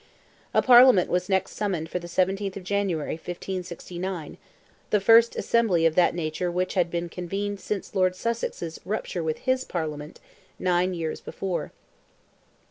A Parliament was next summoned for the 17th of January, 1569, the first assembly of that nature which had been convened since Lord Sussex's rupture with his Parliament nine years before.